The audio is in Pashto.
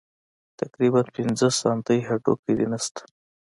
تقريباً پينځه سانتۍ هډوکى دې نشته.